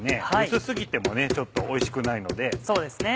薄過ぎてもちょっとおいしくないので。